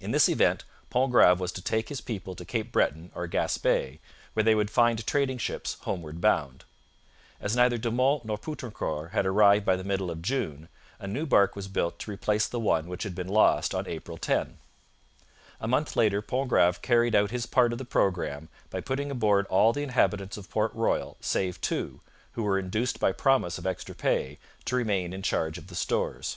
In this event Pontgrave was to take his people to Cape Breton or Gaspe, where they would find trading ships homeward bound. As neither De Monts nor Poutrincourt had arrived by the middle of June, a new barque was built to replace the one which had been lost on April 10. A month later Pontgrave carried out his part of the programme by putting aboard all the inhabitants of Port Royal save two, who were induced by promise of extra pay to remain in charge of the stores.